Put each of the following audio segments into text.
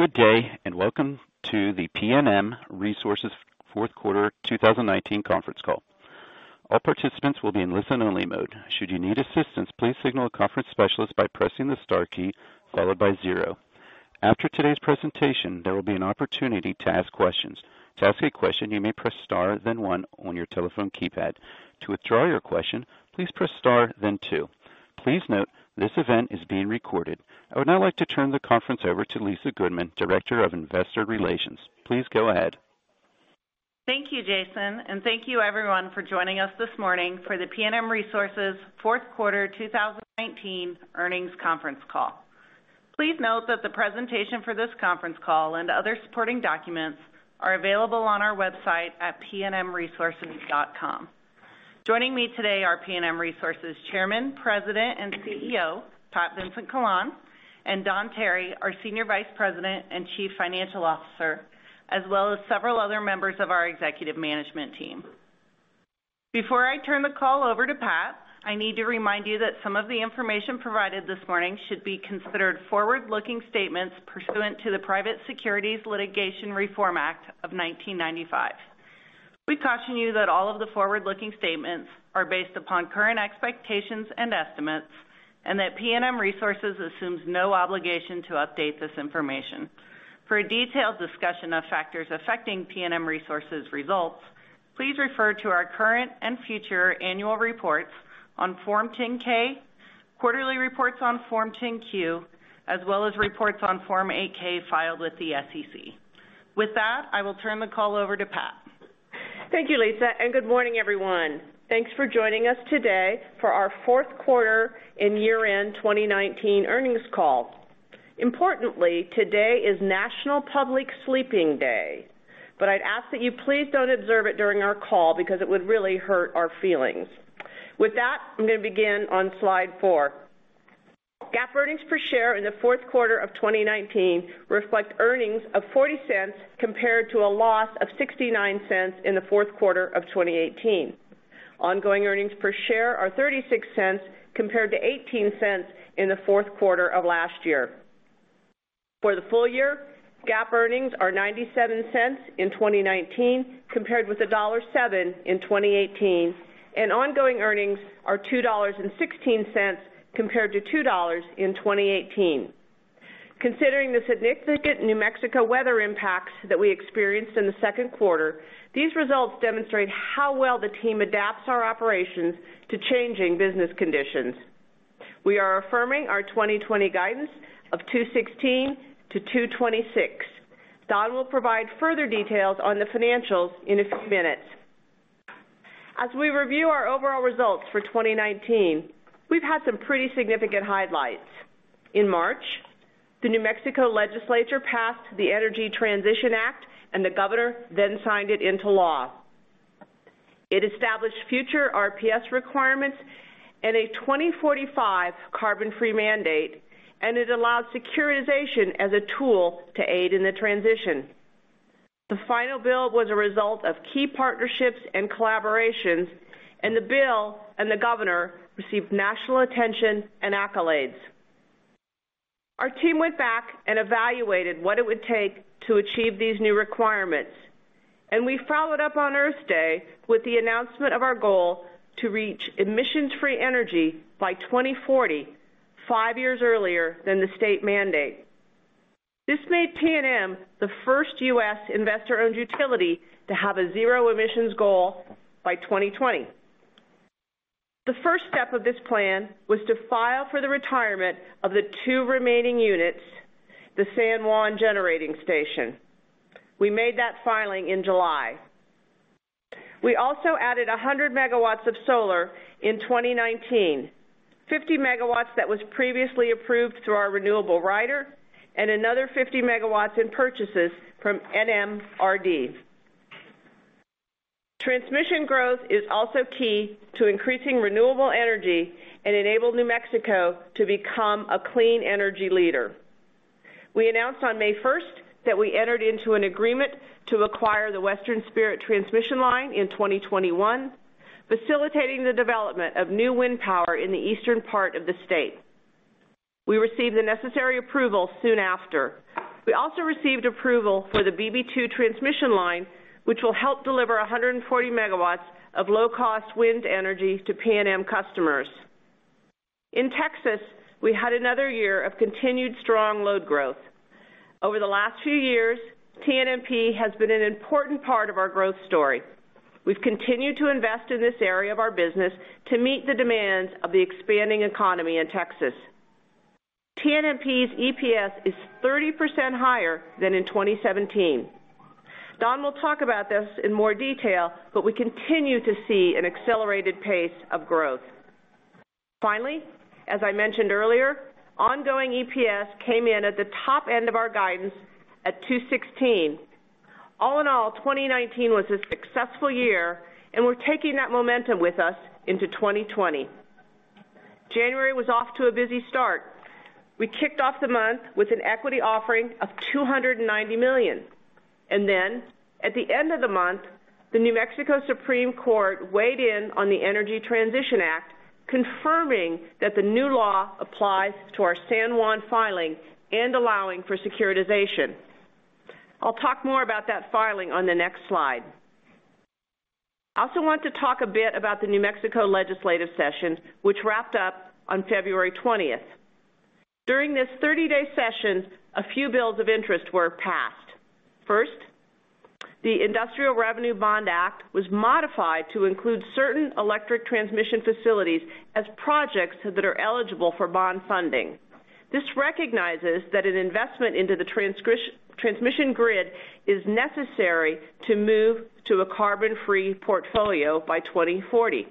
Good day. Welcome to the PNM Resources Fourth Quarter 2019 Conference Call. All participants will be in listen-only mode. Should you need assistance, please signal a conference specialist by pressing the star key, followed by zero. After today's presentation, there will be an opportunity to ask questions. To ask a question, you may press star then one on your telephone keypad. To withdraw your question, please press star then two. Please note, this event is being recorded. I would now like to turn the conference over to Lisa Goodman, Director of Investor Relations. Please go ahead. Thank you, Jason, and thank you everyone for joining us this morning for the PNM Resources fourth quarter 2019 earnings conference call. Please note that the presentation for this conference call and other supporting documents are available on our website at pnmresources.com. Joining me today are PNM Resources Chairman, President, and CEO, Pat Vincent-Collawn, and Don Tarry, our Senior Vice President and Chief Financial Officer, as well as several other members of our executive management team. Before I turn the call over to Pat, I need to remind you that some of the information provided this morning should be considered forward-looking statements pursuant to the Private Securities Litigation Reform Act of 1995. We caution you that all of the forward-looking statements are based upon current expectations and estimates and that PNM Resources assumes no obligation to update this information. For a detailed discussion of factors affecting PNM Resources results, please refer to our current and future annual reports on Form 10-K, quarterly reports on Form 10-Q, as well as reports on Form 8-K filed with the SEC. With that, I will turn the call over to Pat. Thank you, Lisa, and good morning, everyone. Thanks for joining us today for our fourth quarter and year-end 2019 earnings call. Importantly, today is National Public Sleeping Day, but I'd ask that you please don't observe it during our call because it would really hurt our feelings. With that, I'm going to begin on slide four. GAAP earnings per share in the fourth quarter of 2019 reflect earnings of $0.40 compared to a loss of $0.69 in the fourth quarter of 2018. Ongoing earnings per share are $0.36 compared to $0.18 in the fourth quarter of last year. For the full year, GAAP earnings are $0.97 in 2019, compared with $1.07 in 2018, and ongoing earnings are $2.16 compared to $2 in 2018. Considering the significant New Mexico weather impacts that we experienced in the second quarter, these results demonstrate how well the team adapts our operations to changing business conditions. We are affirming our 2020 guidance of $2.16 to $2.26. Don will provide further details on the financials in a few minutes. As we review our overall results for 2019, we've had some pretty significant highlights. In March, the New Mexico legislature passed the Energy Transition Act, and the governor then signed it into law. It established future RPS requirements and a 2045 carbon-free mandate, and it allowed securitization as a tool to aid in the transition. The final bill was a result of key partnerships and collaborations, and the bill and the governor received national attention and accolades. Our team went back and evaluated what it would take to achieve these new requirements, and we followed up on Earth Day with the announcement of our goal to reach emissions free energy by 2040, five years earlier than the state mandate. This made PNM the first U.S. investor-owned utility to have a zero emissions goal by 2020. The first step of this plan was to file for the retirement of the two remaining units, the San Juan Generating Station. We made that filing in July. We also added 100 MW of solar in 2019, 50 MW that was previously approved through our renewable rider, and another 50 MW purchases from NMRD. Transmission growth is also key to increasing renewable energy and enable New Mexico to become a clean energy leader. We announced on May 1st that we entered into an agreement to acquire the Western Spirit Transmission Line in 2021, facilitating the development of new wind power in the eastern part of the state. We received the necessary approval soon after. We also received approval for the BB2 transmission line, which will help deliver 140 MW of low-cost wind energy to PNM customers. In Texas, we had another year of continued strong load growth. Over the last few years, TNMP has been an important part of our growth story. We've continued to invest in this area of our business to meet the demands of the expanding economy in Texas. TNMP's EPS is 30% higher than in 2017. Don will talk about this in more detail. We continue to see an accelerated pace of growth. As I mentioned earlier, ongoing EPS came in at the top end of our guidance at $2.16. All in all, 2019 was a successful year and we're taking that momentum with us into 2020. January was off to a busy start. We kicked off the month with an equity offering of $290 million. At the end of the month, the New Mexico Supreme Court weighed in on the Energy Transition Act, confirming that the new law applies to our San Juan filing and allowing for securitization. I'll talk more about that filing on the next slide. I also want to talk a bit about the New Mexico legislative session, which wrapped up on February 20th. During this 30-day session, a few bills of interest were passed. First, the Industrial Revenue Bond Act was modified to include certain electric transmission facilities as projects that are eligible for bond funding. This recognizes that an investment into the transmission grid is necessary to move to a carbon-free portfolio by 2040.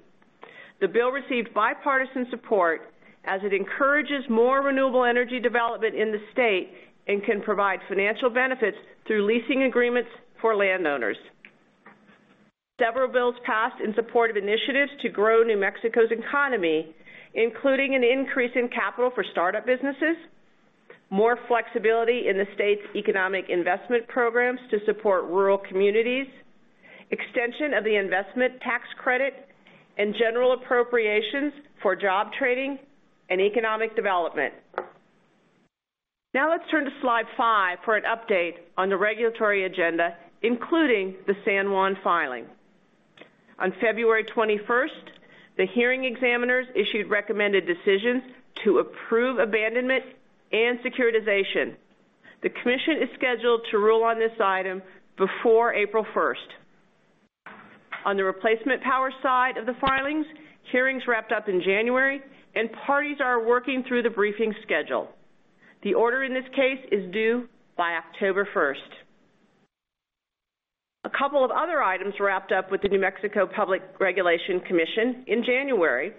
The bill received bipartisan support as it encourages more renewable energy development in the state and can provide financial benefits through leasing agreements for landowners. Several bills passed in support of initiatives to grow New Mexico's economy, including an increase in capital for startup businesses, more flexibility in the state's economic investment programs to support rural communities, extension of the investment tax credit, and general appropriations for job training and economic development. Now let's turn to slide five for an update on the regulatory agenda, including the San Juan filing. On February 21st, the hearing examiners issued recommended decisions to approve abandonment and securitization. The commission is scheduled to rule on this item before April 1st. On the replacement power side of the filings, hearings wrapped up in January. Parties are working through the briefing schedule. The order in this case is due by October 1st. A couple of other items wrapped up with the New Mexico Public Regulation Commission in January,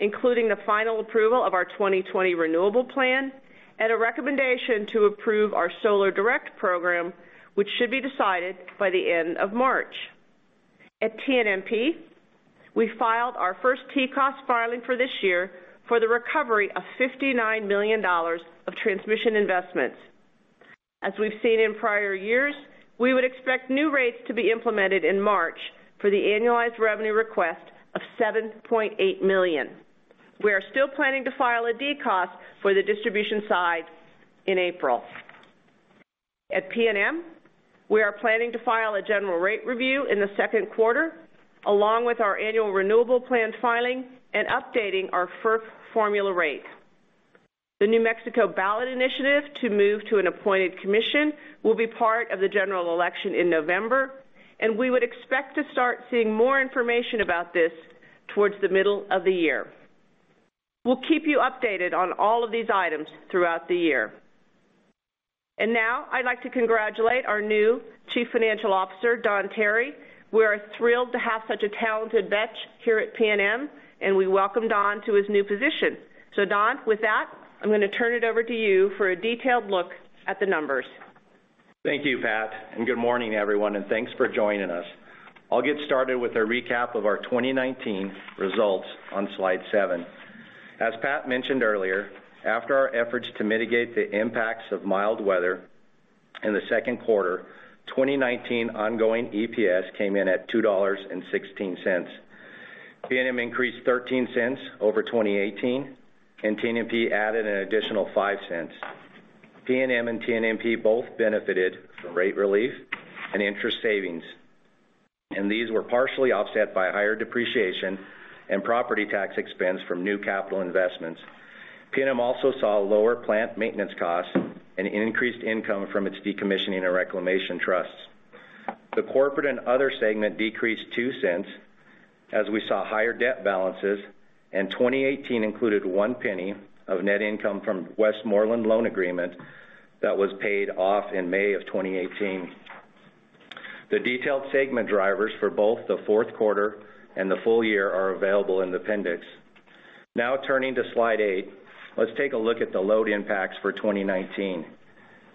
including the final approval of our 2020 renewable plan and a recommendation to approve our Solar Direct program, which should be decided by the end of March. At TNMP, we filed our first TCOS filing for this year for the recovery of $59 million of transmission investments. As we've seen in prior years, we would expect new rates to be implemented in March for the annualized revenue request of $7.8 million. We are still planning to file a DCOS for the distribution side in April. At PNM, we are planning to file a general rate review in the second quarter, along with our annual renewable plan filing and updating our FERC formula rate. The New Mexico ballot initiative to move to an appointed commission will be part of the general election in November, and we would expect to start seeing more information about this towards the middle of the year. We'll keep you updated on all of these items throughout the year. Now I'd like to congratulate our new Chief Financial Officer, Don Tarry. We are thrilled to have such a talented vet here at PNM, and we welcome Don to his new position. Don, with that, I'm going to turn it over to you for a detailed look at the numbers. Thank you, Pat, and good morning, everyone, and thanks for joining us. I'll get started with a recap of our 2019 results on slide seven. As Pat mentioned earlier, after our efforts to mitigate the impacts of mild weather in the second quarter, 2019 ongoing EPS came in at $2.16. PNM increased $0.13 over 2018, and TNMP added an additional $0.05. PNM and TNMP both benefited from rate relief and interest savings, and these were partially offset by higher depreciation and property tax expense from new capital investments. PNM also saw lower plant maintenance costs and increased income from its decommissioning and reclamation trusts. The corporate and other segment decreased $0.02 as we saw higher debt balances, and 2018 included $0.01 of net income from Westmoreland loan agreement that was paid off in May of 2018. The detailed segment drivers for both the fourth quarter and the full year are available in the appendix. Now turning to slide eight, let's take a look at the load impacts for 2019.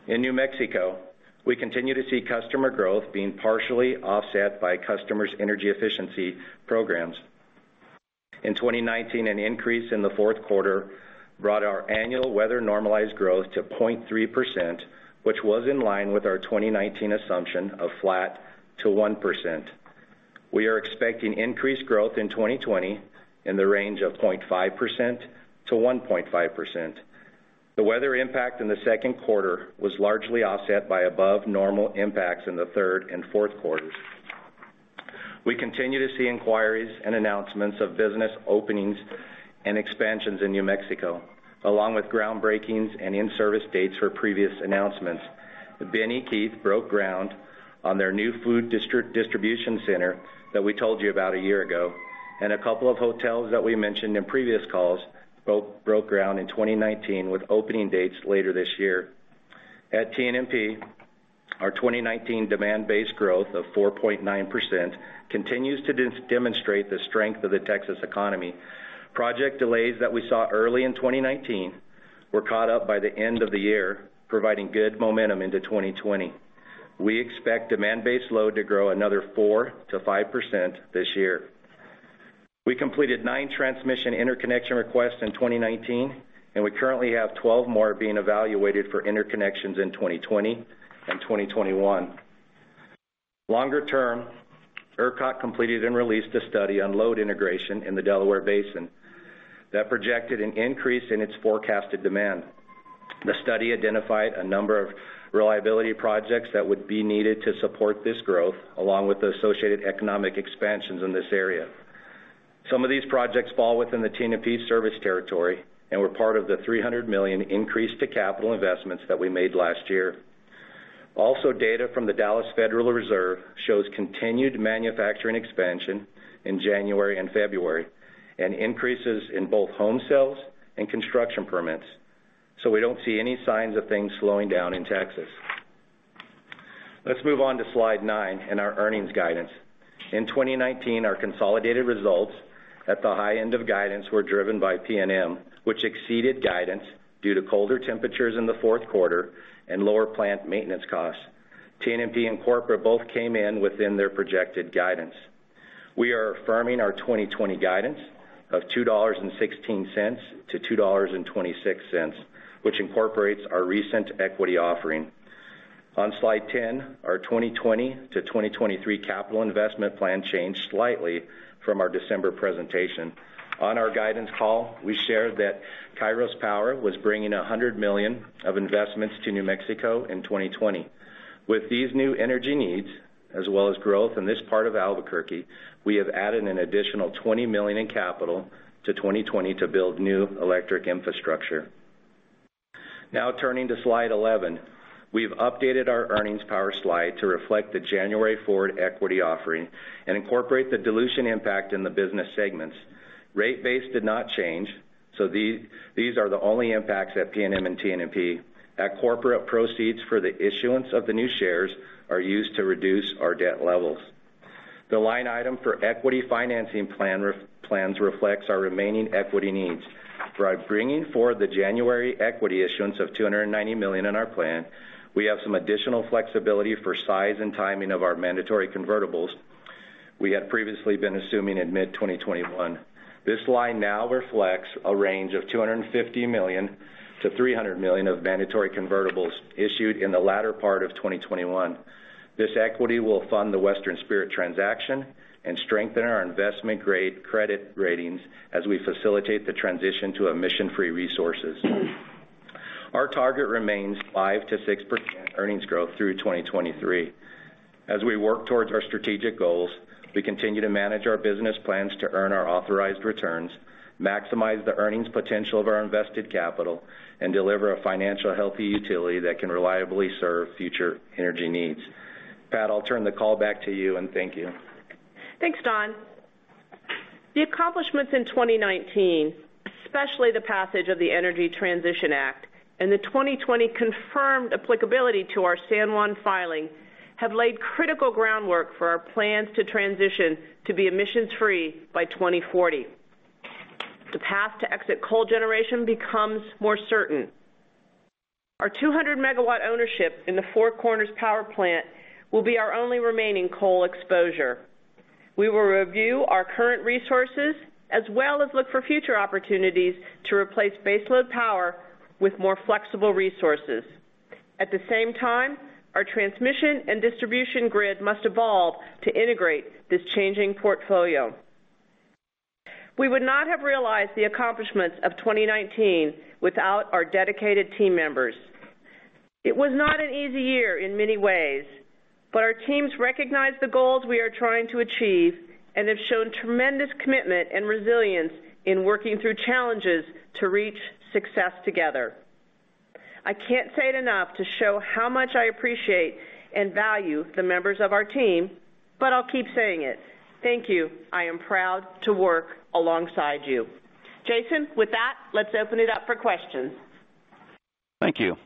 In New Mexico, we continue to see customer growth being partially offset by customers' energy efficiency programs. In 2019, an increase in the fourth quarter brought our annual weather-normalized growth to 0.3%, which was in line with our 2019 assumption of flat to 1%. We are expecting increased growth in 2020 in the range of 0.5%-1.5%. The weather impact in the second quarter was largely offset by above-normal impacts in the third and fourth quarters. We continue to see inquiries and announcements of business openings and expansions in New Mexico, along with groundbreakings and in-service dates for previous announcements. The Ben E. Keith broke ground on their new food distribution center that we told you about a year ago, and a couple of hotels that we mentioned in previous calls broke ground in 2019 with opening dates later this year. At TNMP, our 2019 demand-based growth of 4.9% continues to demonstrate the strength of the Texas economy. Project delays that we saw early in 2019 were caught up by the end of the year, providing good momentum into 2020. We expect demand-based load to grow another 4%-5% this year. We completed nine transmission interconnection requests in 2019, and we currently have 12 more being evaluated for interconnections in 2020 and 2021. Longer term, ERCOT completed and released a study on load integration in the Delaware Basin that projected an increase in its forecasted demand. The study identified a number of reliability projects that would be needed to support this growth, along with the associated economic expansions in this area. Some of these projects fall within the TNMP service territory and were part of the $300 million increase to capital investments that we made last year. Data from the Dallas Federal Reserve shows continued manufacturing expansion in January and February, and increases in both home sales and construction permits. We don't see any signs of things slowing down in Texas. Let's move on to slide nine and our earnings guidance. In 2019, our consolidated results at the high end of guidance were driven by PNM, which exceeded guidance due to colder temperatures in the fourth quarter and lower plant maintenance costs. TNMP and Corporate both came in within their projected guidance. We are affirming our 2020 guidance of $2.16-$2.26, which incorporates our recent equity offering. On slide 10, our 2020 to 2023 capital investment plan changed slightly from our December presentation. On our guidance call, we shared that Kairos Power was bringing $100 million of investments to New Mexico in 2020. With these new energy needs, as well as growth in this part of Albuquerque, we have added an additional $20 million in capital to 2020 to build new electric infrastructure. Turning to slide 11. We've updated our earnings power slide to reflect the January forward equity offering and incorporate the dilution impact in the business segments. Rate base did not change, these are the only impacts at PNM and TNMP. At Corporate, proceeds for the issuance of the new shares are used to reduce our debt levels. The line item for equity financing plans reflects our remaining equity needs. By bringing forward the January equity issuance of $290 million in our plan, we have some additional flexibility for size and timing of our mandatory convertibles we had previously been assuming in mid-2021. This line now reflects a range of $250 million-$300 million of mandatory convertibles issued in the latter part of 2021. This equity will fund the Western Spirit transaction and strengthen our investment-grade credit ratings as we facilitate the transition to emission-free resources. Our target remains 5%-6% earnings growth through 2023. As we work towards our strategic goals, we continue to manage our business plans to earn our authorized returns, maximize the earnings potential of our invested capital, and deliver a financial healthy utility that can reliably serve future energy needs. Pat, I'll turn the call back to you, and thank you. Thanks, Don. The accomplishments in 2019, especially the passage of the Energy Transition Act and the 2020 confirmed applicability to our San Juan filing, have laid critical groundwork for our plans to transition to be emissions-free by 2040. The path to exit coal generation becomes more certain. Our 200 MW ownership in the Four Corners Generating Station will be our only remaining coal exposure. We will review our current resources as well as look for future opportunities to replace baseload power with more flexible resources. At the same time, our transmission and distribution grid must evolve to integrate this changing portfolio. We would not have realized the accomplishments of 2019 without our dedicated team members. It was not an easy year in many ways, but our teams recognize the goals we are trying to achieve and have shown tremendous commitment and resilience in working through challenges to reach success together. I can't say it enough to show how much I appreciate and value the members of our team, but I'll keep saying it. Thank you. I am proud to work alongside you. Jason, with that, let's open it up for questions. Thank you.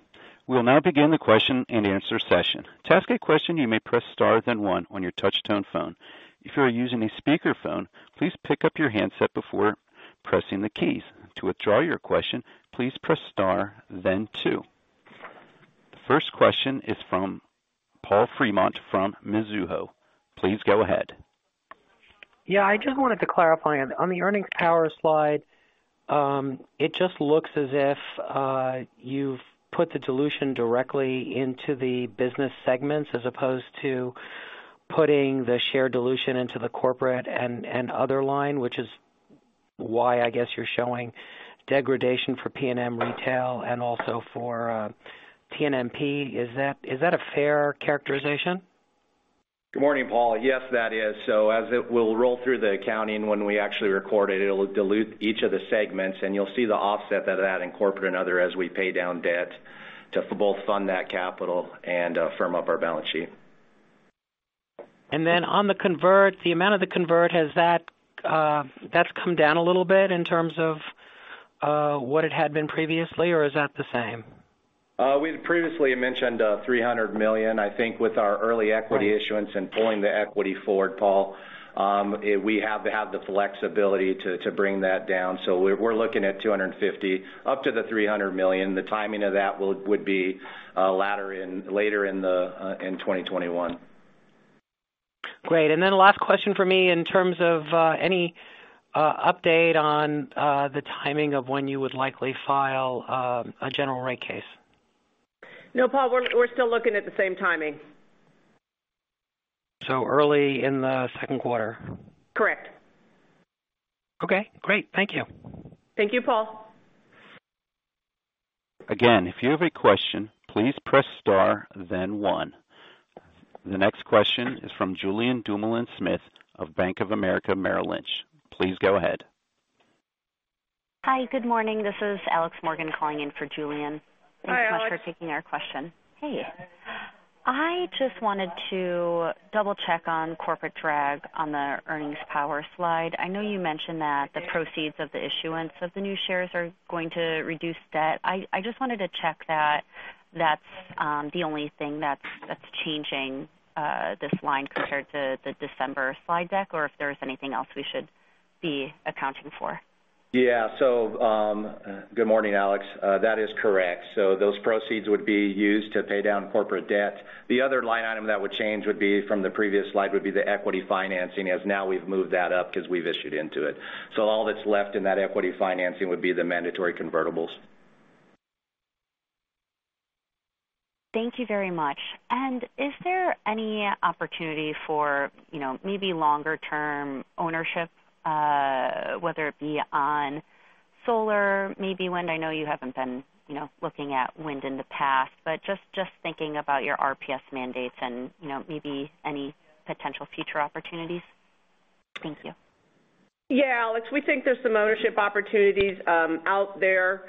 We'll now begin the question-and-answer session. To ask a question, you may press star then one on your touch-tone phone. If you are using a speakerphone, please pick up your handset before pressing the keys. To withdraw your question, please press star then two. The first question is from Paul Fremont from Mizuho. Please go ahead. I just wanted to clarify. On the earnings power slide, it just looks as if you've put the dilution directly into the business segments as opposed to putting the share dilution into the corporate and other line, which is why I guess you're showing degradation for PNM Retail and also for TNMP. Is that a fair characterization? Good morning, Paul. Yes, that is. As it will roll through the accounting when we actually record it'll dilute each of the segments, and you'll see the offset of that in corporate and other as we pay down debt to both fund that capital and firm up our balance sheet. On the convert, the amount of the convert, that's come down a little bit in terms of what it had been previously, or is that the same? We previously mentioned $300 million. I think with our early equity issuance and pulling the equity forward, Paul, we have to have the flexibility to bring that down. We're looking at $250 million up to the $300 million. The timing of that would be later in 2021. Great. Last question from me in terms of any update on the timing of when you would likely file a general rate case? No, Paul, we're still looking at the same timing. Early in the second quarter? Correct. Okay, great. Thank you. Thank you, Paul. Again, if you have a question, please press star then one. The next question is from Julien Dumoulin-Smith of Bank of America Merrill Lynch. Please go ahead. Hi. Good morning. This is Alex Morgan calling in for Julian. Hi, Alex. Thanks so much for taking our question. Hey. I just wanted to double-check on corporate drag on the earnings power slide. I know you mentioned that the proceeds of the issuance of the new shares are going to reduce debt. I just wanted to check that that's the only thing that's changing this line compared to the December slide deck, or if there's anything else we should be accounting for? Yeah. Good morning, Alex. That is correct. Those proceeds would be used to pay down corporate debt. The other line item that would change would be from the previous slide, would be the equity financing, as now we've moved that up because we've issued into it. All that's left in that equity financing would be the mandatory convertibles. Thank you very much. Is there any opportunity for maybe longer-term ownership, whether it be on solar, maybe wind? I know you haven't been looking at wind in the past, but just thinking about your RPS mandates and maybe any potential future opportunities. Thank you. Yeah, Alex. We think there's some ownership opportunities out there.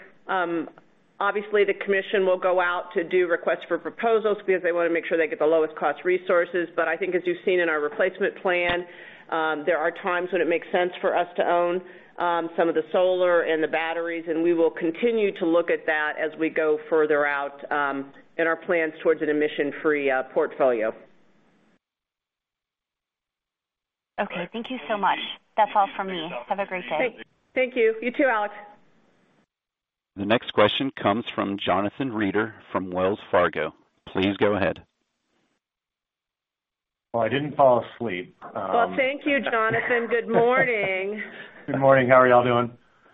Obviously, the commission will go out to do requests for proposals because they want to make sure they get the lowest cost resources. I think as you've seen in our replacement plan, there are times when it makes sense for us to own some of the solar and the batteries, and we will continue to look at that as we go further out in our plans towards an emission-free portfolio. Okay. Thank you so much. That's all from me. Have a great day. Thank you. You too, Alex. The next question comes from Jonathan Reeder from Wells Fargo. Please go ahead. Well, I didn't fall asleep. Well, thank you, Jonathan. Good morning. Good morning. How are y'all doing?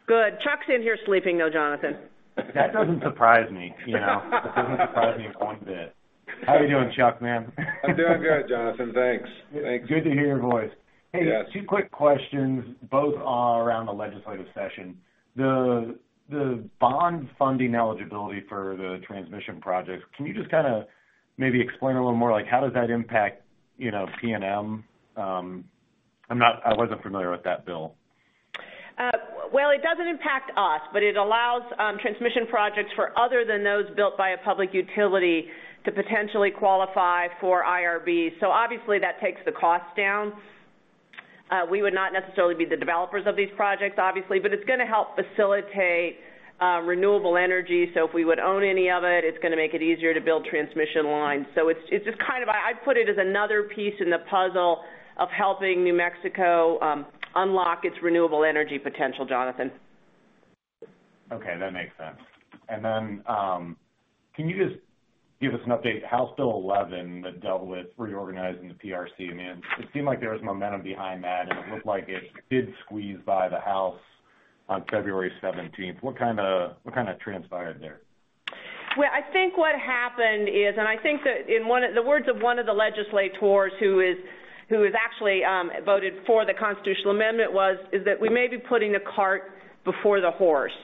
Good. Chuck's in here sleeping, though, Jonathan. That doesn't surprise me. That doesn't surprise me one bit. How are you doing, Chuck, man? I'm doing good, Jonathan, thanks. Good to hear your voice. Yes. Hey, two quick questions, both around the legislative session. The bond funding eligibility for the transmission projects, can you just maybe explain a little more, like how does that impact PNM? I wasn't familiar with that bill. Well, it doesn't impact us, but it allows transmission projects for other than those built by a public utility to potentially qualify for IRBs. Obviously, that takes the cost down. We would not necessarily be the developers of these projects, obviously, but it's going to help facilitate renewable energy. If we would own any of it's going to make it easier to build transmission lines. I put it as another piece in the puzzle of helping New Mexico unlock its renewable energy potential, Jonathan. Okay. That makes sense. Then, can you just give us an update, House Bill 11 that dealt with reorganizing the PRC, I mean, it seemed like there was momentum behind that, and it looked like it did squeeze by the House on February 17th. What transpired there? Well, I think what happened is, and I think that in the words of one of the legislators who has actually voted for the Constitutional Amendment was, is that we may be putting the cart before the horse,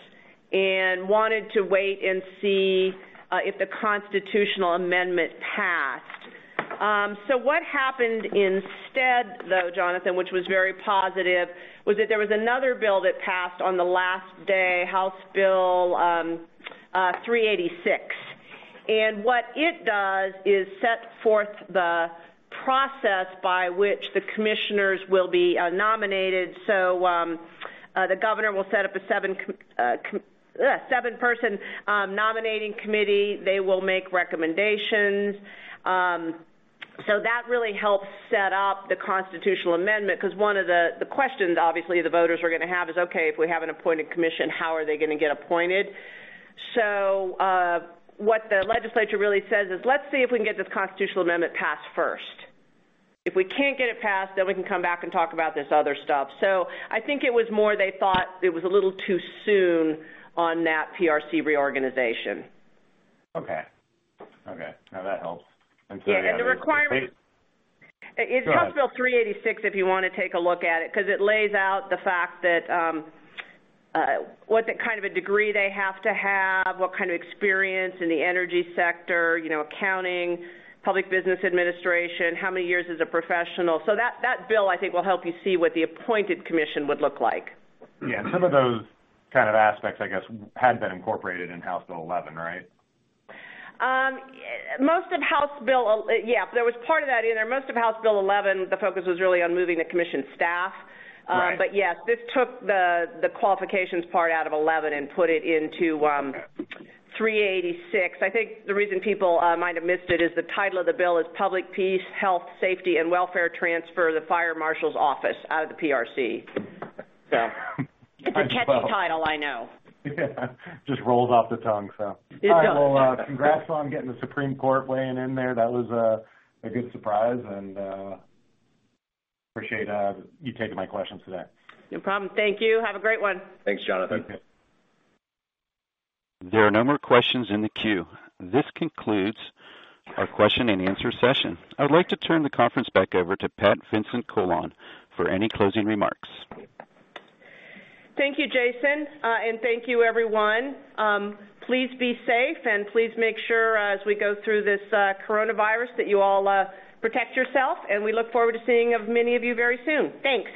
and wanted to wait and see if the Constitutional Amendment passed. What happened instead, though, Jonathan, which was very positive, was that there was another bill that passed on the last day, House Bill 386. What it does is set forth the process by which the commissioners will be nominated. The governor will set up a seven-person nominating committee. They will make recommendations. That really helps set up the Constitutional Amendment because one of the questions, obviously, the voters are going to have is, okay, if we have an appointed commission, how are they going to get appointed? What the legislature really says is, "Let's see if we can get this constitutional amendment passed first. If we can't get it passed, then we can come back and talk about this other stuff." I think it was more they thought it was a little too soon on that PRC reorganization. Okay. Now that helps. Yeah. Go ahead. It's House Bill 386, if you want to take a look at it, because it lays out the fact that what the kind of a degree they have to have, what kind of experience in the energy sector, accounting, public business administration, how many years as a professional. That bill, I think, will help you see what the appointed commission would look like. Yeah, some of those kind of aspects, I guess, had been incorporated in House Bill 11, right? Most of House Bill, yeah. There was part of that in there. Most of House Bill 11, the focus was really on moving the commission staff. Right. Yes, this took the qualifications part out of 11 and put it into 386. I think the reason people might have missed it is the title of the bill is Public Peace, Health, Safety and Welfare Transfer the Fire Marshal's Office out of the PRC. It's a catchy title, I know. Yeah. Just rolls off the tongue. It does. All right. Well, congrats on getting the Supreme Court weighing in there. That was a good surprise, and appreciate you taking my questions today. No problem. Thank you. Have a great one. Thanks, Jonathan. There are no more questions in the queue. This concludes our question and answer session. I would like to turn the conference back over to Pat Vincent-Collawn for any closing remarks. Thank you, Jason. Thank you, everyone. Please be safe and please make sure as we go through this coronavirus, that you all protect yourself, and we look forward to seeing of many of you very soon. Thanks.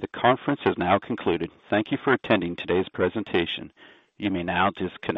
The conference is now concluded. Thank you for attending today's presentation. You may now disconnect.